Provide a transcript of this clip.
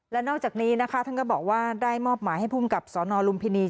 และนอกจากนี้นะคะท่านก็บอกว่าได้มอบหมายให้ภูมิกับสนลุมพินี